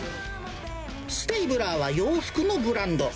ステイブラーは洋服のブランド。